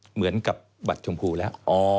เหมือนกับบัตรชมพูแล้ว